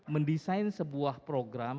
mendesain sebuah program